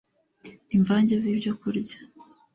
imvange z'ibyokurya